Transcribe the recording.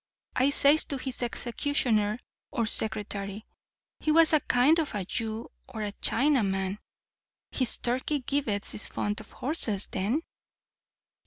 I says to his executioner or secretary—he was a kind of a Jew or a Chinaman—'His Turkey Gibbets is fond of horses, then?